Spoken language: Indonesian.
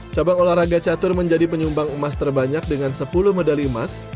cabang olahraga catur menjadi penyumbang emas terbanyak dengan sepuluh medali emas